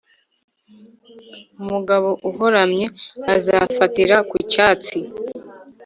umugabo urohamye azafatira ku cyatsi.